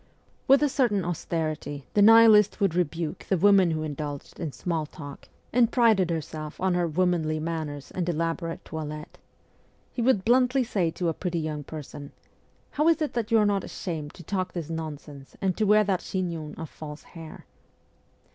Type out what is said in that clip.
With a certain austerity the Nihilist would rebuke 88 MEMOIRS OF A REVOLUTIONIST the woman who indulged in small talk, and prided herself on her ' womanly ' manners and elaborate toilette. He would bluntly say to a pretty young person :' How is it that you are not ashamed to talk this nonsense and to wear that chignon of false hair